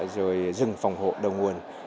rồi rừng phòng hộ đầu nguồn